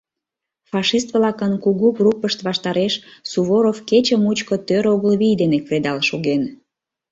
Фашист-влакын кугу группышт ваштареш Суворов кече мучко тӧр огыл вий дене кредал шоген.